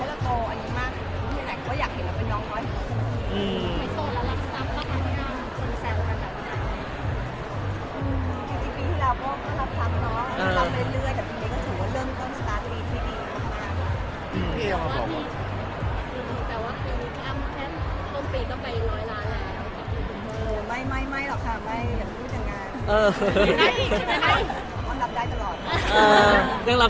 พี่เอ็มเค้าเป็นระบองโรงงานหรือเปลี่ยนไงครับ